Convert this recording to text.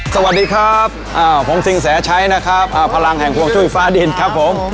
สวัสดีครับอ่าผมสิงห์แสใช้นะครับอ่าพลังแห่งควงช่วยฟ้าดินครับผม